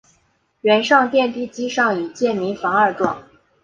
原上殿地基上已建民房二幢。